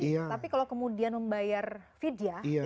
tapi kalau kemudian membayar vidya